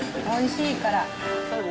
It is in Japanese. おいしいから。